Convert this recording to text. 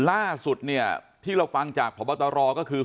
ล่าสุดเนี่ยที่เราฟังจากพบตรก็คือ